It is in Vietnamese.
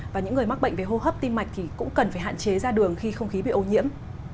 và những người mắc bệnh về hô hấp tim mạch thì cũng cần phải hạn chế ra đường khi không khí bị ô nhiễm